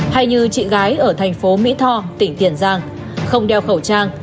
hay như chị gái ở thành phố mỹ tho tỉnh tiền giang không đeo khẩu trang